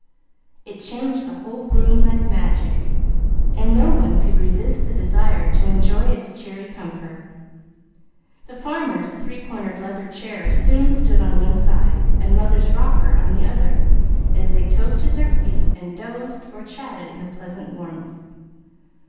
It changed the whole room like magic, and no one could resist the desire to enjoy its cheery comfort. The farmer's three cornered leathern chair soon stood on one side, and mother's rocker on the other, as they toasted their feet and dozed or chatted in the pleasant warmth.